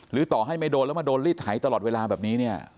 ต่อให้ไม่โดนแล้วมาโดนรีดไถตลอดเวลาแบบนี้เนี่ย